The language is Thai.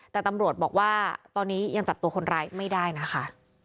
แต่ตำรวจบอกว่าตอนนี้ยังจับตัวคนร้ายไม่ได้นะคะ